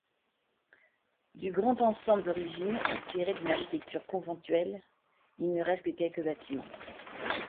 Du grand ensemble d'origine, inspiré d'une architecture conventuelle, il ne reste que quelques bâtiments.